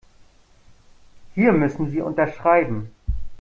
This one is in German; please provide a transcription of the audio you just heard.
Hier müssen Sie unterschreiben.